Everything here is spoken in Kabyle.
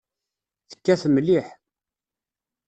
Tekkat mliḥ.